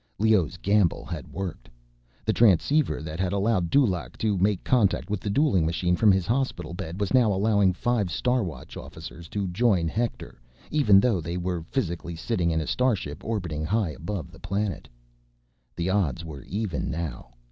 Leoh's gamble had worked. The transceiver that had allowed Dulaq to make contact with the dueling machine from his hospital bed was now allowing five Star Watch officers to join Hector, even though they were physically sitting in a starship orbiting high above the planet. The odds were even now.